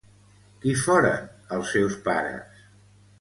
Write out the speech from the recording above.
Qui foren els seus pares?